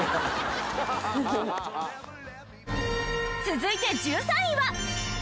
続いて１３位は。